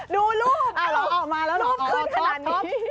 ดูรูปรูปขึ้นขนาดนี้